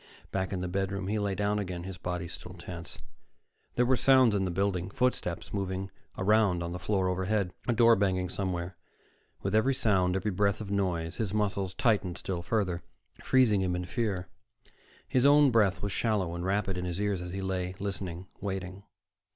Back in the bedroom, he lay down again, his body still tense. There were sounds in the building, footsteps moving around on the floor overhead, a door banging somewhere. With every sound, every breath of noise, his muscles tightened still further, freezing him in fear. His own breath was shallow and rapid in his ears as he lay, listening, waiting.